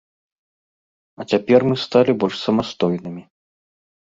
А цяпер мы сталі больш самастойнымі.